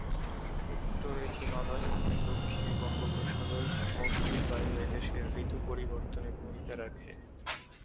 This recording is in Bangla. উত্তরে হিমালয়, দক্ষিনে বঙ্গোপসাগর, মৌসুমি বায়ু এদেশের ঋতু পরিবর্তনে ভূমিকা রাখে।